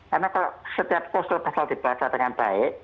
karena kalau setiap khusus pasal dibaca dengan baik